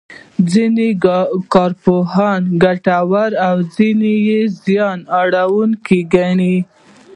ځینې کارپوهان یې ګټوره او ځینې یې زیان اړوونکې ګڼي.